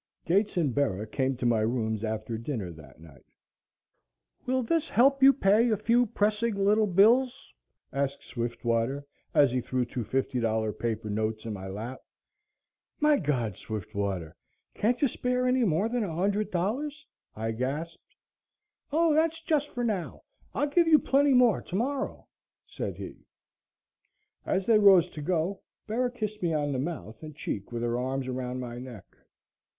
Gates and Bera came to my rooms after dinner that night. "Will this help you pay a few pressing little bills?" asked Swiftwater, as he threw two fifty dollar paper notes in my lap. "My God, Swiftwater, can't you spare any more than $100?" I gasped. "Oh, that's just for now I'll give you plenty more tomorrow," said he. As they arose to go, Bera kissed me on the mouth and cheek with her arms around my neck.